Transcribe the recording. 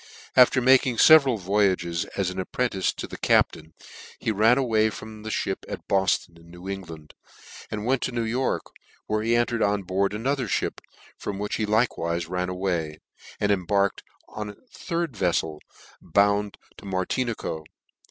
After making feveral voy ages, as an apprentice to the captain, he ran from the (hip at Bofton in New England, and went to New York, where he entered on board another Ihip, from which he likewife ran away, and embarked in a third veflel, bound to Mar dnico.